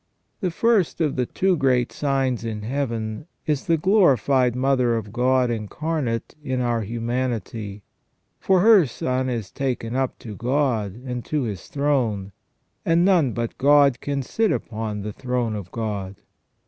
The first of the two great signs in Heaven is the glorified Mother of God Incarnate in our humanity, for her Son is taken up to God, and to His throne, and none but God can sit upon the throne of God.